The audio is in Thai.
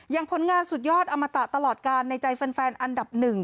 ผลงานสุดยอดอมตะตลอดการในใจแฟนอันดับหนึ่ง